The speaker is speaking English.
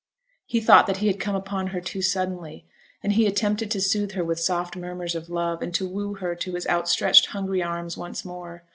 He thought that he had come upon her too suddenly, and he attempted to soothe her with soft murmurs of love, and to woo her to his outstretched hungry arms once more.